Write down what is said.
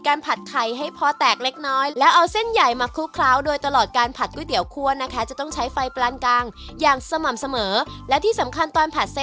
ผัดไข่ให้พอแตกเล็กน้อยแล้วเอาเส้นใหญ่มาคลุกเคล้าโดยตลอดการผัดก๋วยเตี๋คั่วนะคะจะต้องใช้ไฟปลานกลางอย่างสม่ำเสมอและที่สำคัญตอนผัดเส้น